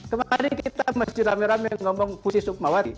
kemarin kita masih rame rame ngomong fusi fusi